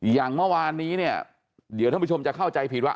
อย่างเมื่อวานนี้เนี่ยเดี๋ยวท่านผู้ชมจะเข้าใจผิดว่า